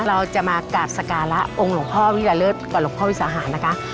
เราจะมากราบสการะองค์หลวงพ่อวิราเลิศกับหลวงพ่อวิสาหารนะคะ